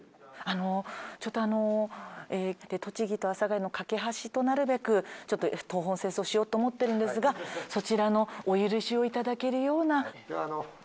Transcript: ちょっとあの栃木と阿佐ヶ谷の架け橋となるべくちょっと東奔西走しようと思ってるんですがそちらのお許しを頂けるような。